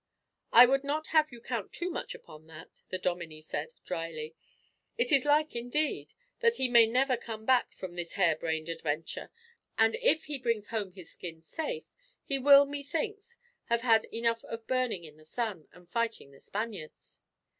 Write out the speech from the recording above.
"I would not have you count too much upon that," the dominie said, dryly. "It is like, indeed, that he may never come back from this hare brain adventure; and if he brings home his skin safe, he will, methinks, have had enough of burning in the sun, and fighting the Spaniards."